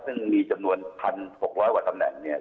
ซึ่งมีจำนวน๑๖๐๐กว่าตำแหน่งเนี่ย